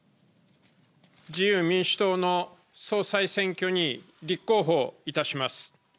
自由民主党の総裁選挙に立候補いたします。